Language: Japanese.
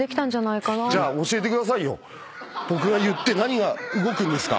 僕が言って何が動くんですか？